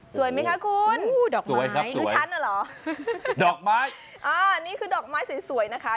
สวยไหมคะคุณดอกไม้ดอกไม้นี่คือดอกไม้สวยนะคะ